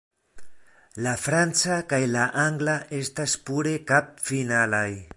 La franca kaj la angla estas pure kap-finalaj.